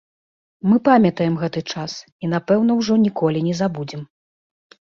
Мы памятаем гэты час і, напэўна, ужо ніколі не забудзем.